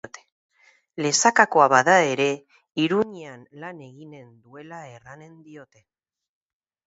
Lesakakoa bada ere Iruñean lan eginen duela erranen diote